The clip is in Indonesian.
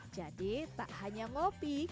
jadi tak hanya ngopi